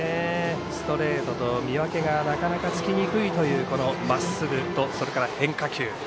ストレートと見分けがなかなかつきにくいというこのまっすぐと変化球。